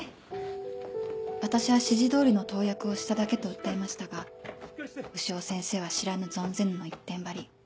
私は指示通りの投薬をしただけと訴えましたが潮先生は知らぬ存ぜぬの一点張り。